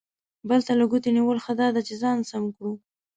بل ته له ګوتې نیولو، ښه دا ده چې ځان سم کړو.